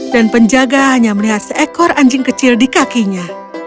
dan penjaga hanya melihat seekor anjing kecil di kakinya